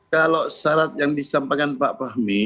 kalau syarat yang disampaikan pak fahmi